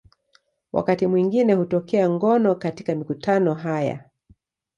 Wakati mwingine hutokea ngono katika mikutano haya.